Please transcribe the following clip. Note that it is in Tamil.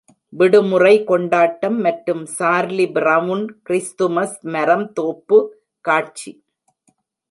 விடுமுறை கொண்டாட்டம் மற்றும் சார்லி பிரவுன் கிறிஸ்துமஸ் மரம் தோப்பு காட்சி.